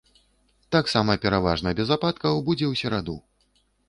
Таксама пераважна без ападкаў будзе ў сераду.